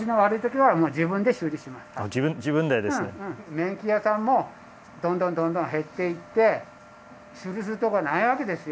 麺機屋さんもどんどんどんどん減っていって修理するとこがないわけですよ。